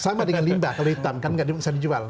sama dengan limba kalau hitam kan nggak bisa dijual